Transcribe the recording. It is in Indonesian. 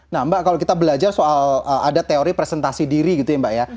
nah mbak kalau kita belajar soal ada teori presentasi diri gitu ya mbak ya